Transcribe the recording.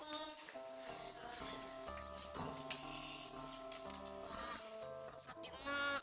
ya yaudah saya bnemang